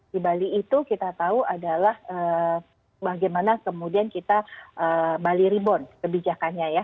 di bali itu kita tahu adalah bagaimana kemudian kita bali rebound kebijakannya ya